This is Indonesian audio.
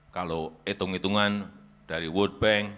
kalau hitung hitungan dari world bank